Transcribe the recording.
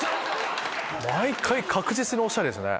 毎回確実におしゃれですね。